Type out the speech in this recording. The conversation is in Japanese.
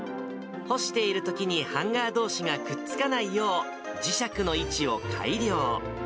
干しているときに、ハンガーどうしがくっつかないよう、磁石の位置を改良。